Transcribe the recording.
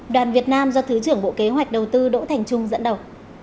đoàn việt nam do thứ trưởng bộ kế hoạch đầu tư đỗ thành trung dẫn đầu